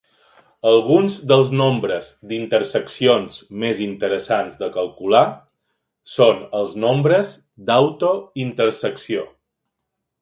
Alguns dels nombres d'interseccions més interessants de calcular són els "nombres d'autointersecció".